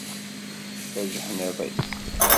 D ajeḥniḍ-is.